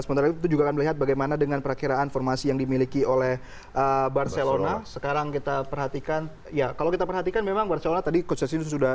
sementara itu kita juga akan melihat bagaimana dengan perakhiran formasi yang dimiliki oleh barcelona